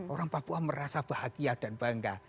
orang papua merasa bahagia dan bangga